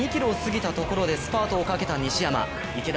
残り２ｋｍを過ぎたところでスパートをかけた西山。